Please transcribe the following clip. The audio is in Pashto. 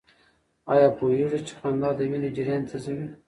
آیا پوهېږئ چې خندا د وینې جریان تېزوي؟